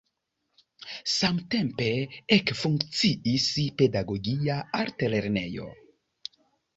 Samtempe ekfunkciis pedagogia altlernejo.